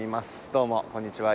どうもこんにちは。